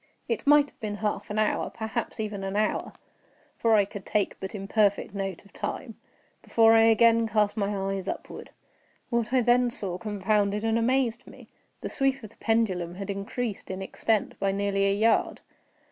It might have been half an hour, perhaps even an hour, (for I could take but imperfect note of time) before I again cast my eyes upward. What I then saw confounded and amazed me. The sweep of the pendulum had increased in extent by nearly a yard.